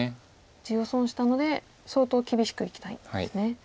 地を損したので相当厳しくいきたいんですね。